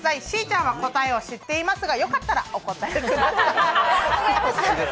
しーちゃんは答えを知っていますがよかったらお答えください。